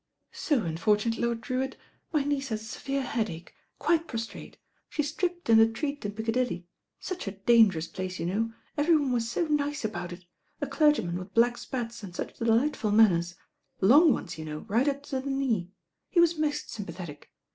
"So unfortunate, Lord Drewitt. My niece has a severe headache. Quite prostrate. She stripped in the treet in Piccadilly. Such a dangerous place you know. Every one was so nice about it. A clergyman with black spats and such delightful man ners. Long ones, you know, right up to the knee. He was most sympathetic.